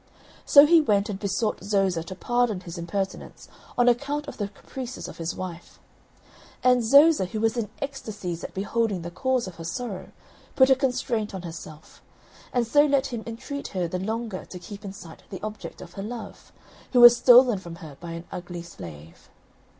So he went and besought Zoza to pardon his impertinence, on account of the caprices of his wife; and Zoza, who was in ecstasies at beholding the cause of her sorrow, put a constraint on herself; and so let him entreat her the longer to keep in sight the object of her love, who was stolen from her by an ugly slave.